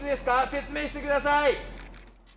説明してください。